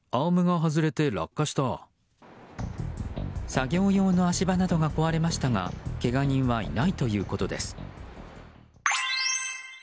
作業用の足場などが壊れましたがけが人はいないということです。